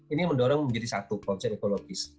ini mendorong menjadi satu concern ekologis